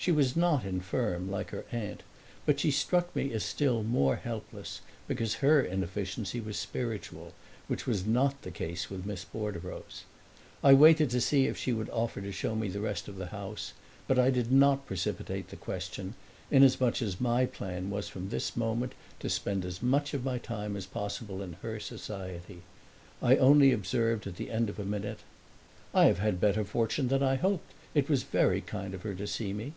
She was not infirm, like her aunt, but she struck me as still more helpless, because her inefficiency was spiritual, which was not the case with Miss Bordereau's. I waited to see if she would offer to show me the rest of the house, but I did not precipitate the question, inasmuch as my plan was from this moment to spend as much of my time as possible in her society. I only observed at the end of a minute: "I have had better fortune than I hoped. It was very kind of her to see me.